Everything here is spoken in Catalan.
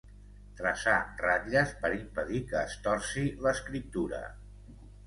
Traçar ratlles per impedir que es torci l'escriptura.